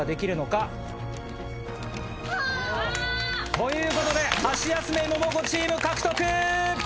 ということでハシヤスメ・モモコチーム獲得！